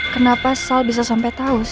kenapa sal bisa sampai tau